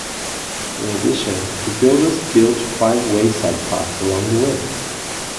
In addition, the builders built five wayside parks along the way.